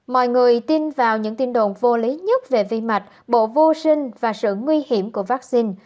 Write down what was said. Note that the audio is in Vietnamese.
mọi người tin vào những tin đồn vô lý nhất về vi mạch bộ vô sinh và sự nguy hiểm của vaccine